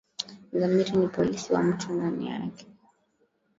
Zamiri ni polisi wa mutu ndani yake